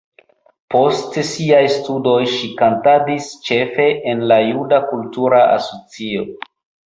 Post siaj studoj ŝi kantadis ĉefe en la juda kultura asocio.